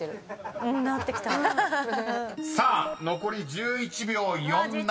［さあ残り１１秒４７。